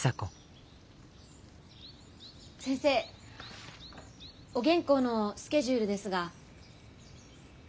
先生お原稿のスケジュールですが。